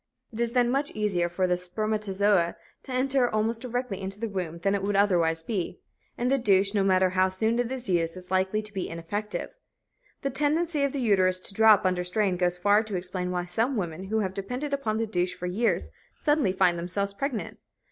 It is then much easier for the spermatazoa to enter almost directly into the womb than it would otherwise be, and the douche, no matter how soon it is used, is likely to be ineffective. The tendency of the uterus to drop under strain goes far to explain why some women who have depended upon the douche for years suddenly find themselves pregnant.